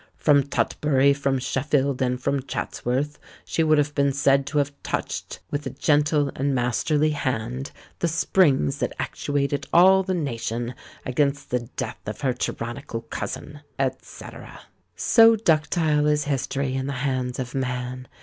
From Tutbury, from Sheffield, and from Chatsworth, she would have been said to have touched with a gentle and masterly hand the springs that actuated all the nation, against the death of her tyrannical cousin," &c. So ductile is history in the hands of man!